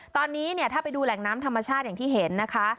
ตอนนี้เนี่ยถ้าไปดูแหล่งน้ำธรรมชาติอย่างที่เห็นนะคะ